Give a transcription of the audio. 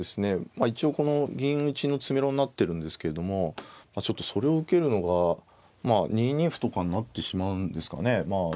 まあ一応この銀打ちの詰めろになってるんですけどもちょっとそれを受けるのがまあ２二歩とかになってしまうんですかね。